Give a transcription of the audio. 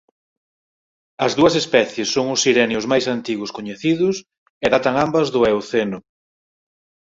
As dúas especies son os sirenios máis antigos coñecidos e datan ambas do Eoceno.